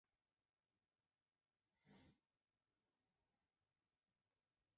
Garestia al da?